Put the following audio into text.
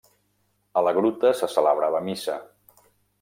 A la gruta se celebrava missa.